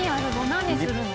何するの？